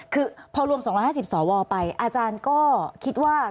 คือพอรวม๒๕๐สวไปอาจารย์ก็คิดว่า